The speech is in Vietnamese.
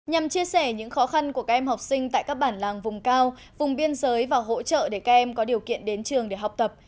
nhằm chia sẻ những khó khăn của các em học sinh tại các bản làng vùng cao vùng biên giới và hỗ trợ để các em có điều kiện đến trường để học tập